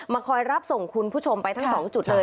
คอยรับส่งคุณผู้ชมไปทั้งสองจุดเลย